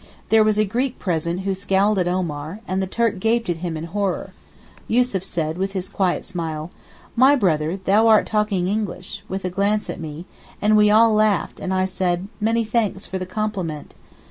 There was a Greek present who scowled at Omar, and the Turk gaped at him in horror. Yussuf said, with his quiet smile, 'My brother, thou art talking English,' with a glance at me; and we all laughed, and I said, 'Many thanks for the compliment.